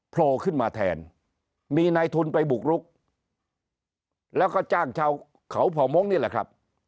โผล่ขึ้นมาแทนมีนายทุนไปบุกรุกแล้วก็จ้างชาวเขาเผ่ามงค์นี่แหละครับ